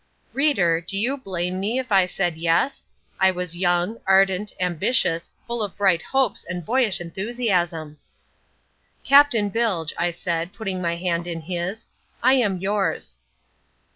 Reader, do you blame me if I said yes? I was young, ardent, ambitious, full of bright hopes and boyish enthusiasm. "Captain Bilge," I said, putting my hand in his, "I am yours."